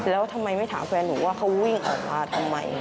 แล้วทำไมไม่ถามแฟนหนูว่าเขาวิ่งออกมาทำไม